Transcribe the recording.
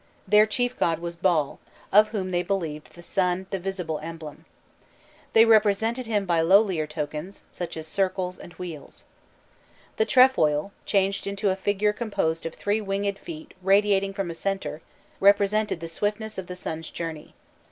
Their chief god was Baal, of whom they believed the sun the visible emblem. They represented him by lowlier tokens, such as circles and wheels. The trefoil, changed into a figure composed of three winged feet radiating from a center, represented the swiftness of the sun's journey.